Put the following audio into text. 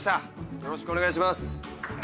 よろしくお願いします。